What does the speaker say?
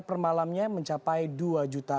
per malamnya mencapai dua juta